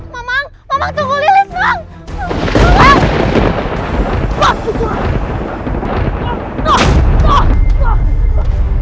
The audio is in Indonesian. mama tunggu lis